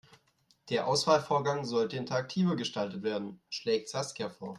Der Auswahlvorgang sollte interaktiver gestaltet werden, schlägt Saskia vor.